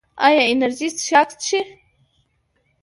ایا انرژي څښاک څښئ؟